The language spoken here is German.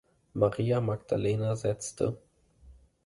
Maria Magdalena setzte.